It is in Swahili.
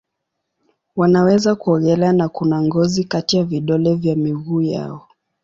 Wanaweza kuogelea na kuna ngozi kati ya vidole vya miguu yao.